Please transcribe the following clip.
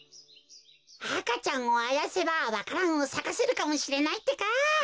赤ちゃんをあやせばわか蘭をさかせるかもしれないってか。